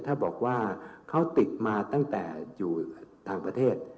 ถ้าบอกว่าเขาติดมาตั้งแต่อยู่ต่างประเทศ